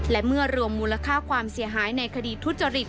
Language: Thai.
และเมื่อรวมมูลค่าความเสียหายในคดีทุจริต